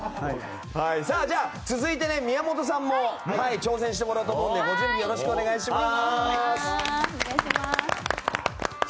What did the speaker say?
続いて、宮本さんにも挑戦してもらおうと思うのでご準備よろしくお願いします。